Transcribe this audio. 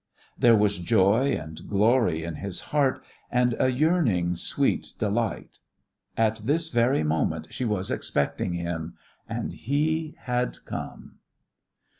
There was joy and glory in his heart, and a yearning sweet delight. At this very moment she was expecting him. And he had come.